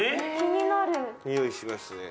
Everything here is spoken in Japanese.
においしますね。